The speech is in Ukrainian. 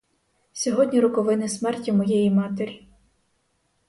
Сьогодні роковини смерті моєї матері.